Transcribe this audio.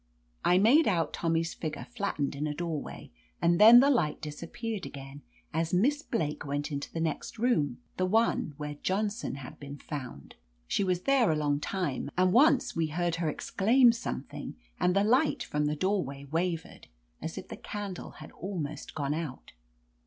I made out Tommy's figure flattened in a doorway, and then the light disappeared again as Miss Blake went into the next room, the one where Johnson had been found. She was there a long time, and once we heard her ex claim something and the light from the door way wavered, as if the candle had almost gone out.